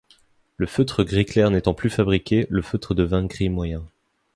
Le feutre gris clair n'étant plus fabriqué, le feutre devint gris-moyen.